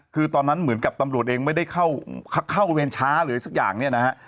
คือตอนนั้นเหมือนกับตำรวจเองไม่ได้เข้าเวรช้าหรือสักอย่างเนี่ยนะฮะ